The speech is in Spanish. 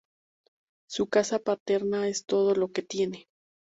Su casa paterna es todo lo que tiene.